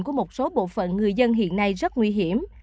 của một số bộ phận người dân hiện nay rất nguy hiểm